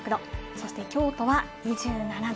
そして京都は２７度。